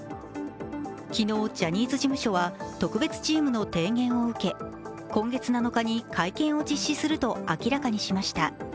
昨日、ジャニーズ事務所は特別チームの提言を受け今月７日に会見を実施すると明らかにしました。